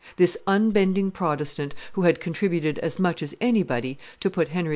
This unbending Protestant, who had contributed as much as anybody to put Henry IV.